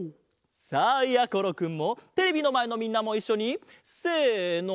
さあやころくんもテレビのまえのみんなもいっしょにせの。